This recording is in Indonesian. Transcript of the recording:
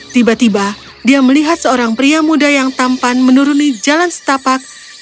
tiba tiba dia melihat seorang pria muda yang tampan menuruni jalan setapak